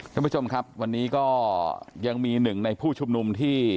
ท่านผู้ชมครับวันนี้ก็ยังมีหนึ่งในผู้ชุมนุมที่